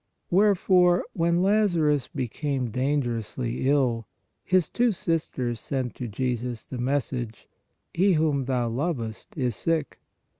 Wherefore, when Lazarus became dangerously ill, his two sisters sent to Jesus the mes sage :" He whom Thou lovest is sick."